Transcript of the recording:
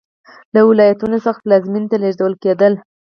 له ولایتونو څخه پلازمېنې ته لېږدول کېدل.